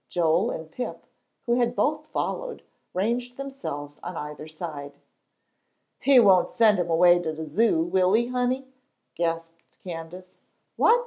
Joel and Pip, who had both followed, ranged themselves on either side. "He won' send him away to de Zoo, will he, honey?" gasped Candace. "What?"